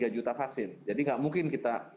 tiga juta vaksin jadi nggak mungkin kita